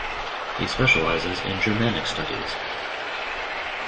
He specializes in Germanic studies.